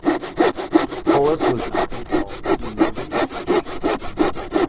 Polis was not involved in their rematch.